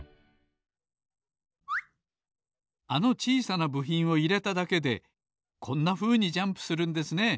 あのちいさなぶひんをいれただけでこんなふうにジャンプするんですね。